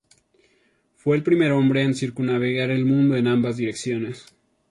Fue el primer hombre en circunnavegar el mundo en ambas direcciones.